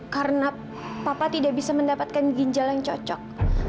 karena papa tidak bisa mendapatkan ginjal yang cocok